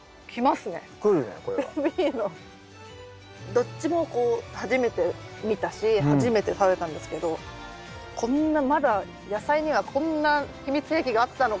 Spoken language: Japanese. どっちもこう初めて見たし初めて食べたんですけどこんなまだ野菜にはこんな秘密兵器があったのかと。